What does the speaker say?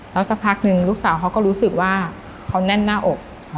แล้วสักพักหนึ่งลูกสาวเขาก็รู้สึกว่าเขาแน่นหน้าอก